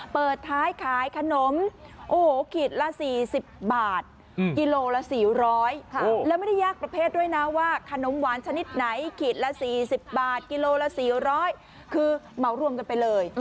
เปิดท้ายขายขนมโอ้โหขีดละ๔๐บาทกิโลละ๔๐๐แล้วไม่ได้ยากประเภทด้วยนะว่าขนมหวานชนิดไหนขีดละ๔๐บาทกิโลละ๔๐๐คือเหมารวมกันไปเลย